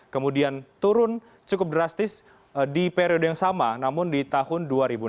kemudian turun cukup drastis di periode yang sama namun di tahun dua ribu enam belas